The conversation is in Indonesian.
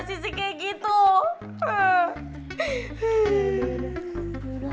disik gitu er